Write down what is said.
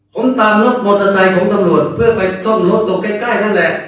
ผมตามรถมอเตอร์ไซค์ของตำรวจเพื่อไปซ่อมรถตรงใกล้นั่นแหละ